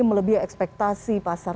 melebih ekspektasi pasar